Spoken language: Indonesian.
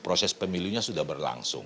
proses pemilunya sudah berlangsung